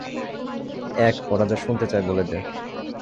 এক, ওরা যা শুনতে চায়, বলে দে।